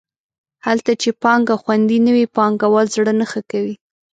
هلته چې پانګه خوندي نه وي پانګوال زړه نه ښه کوي.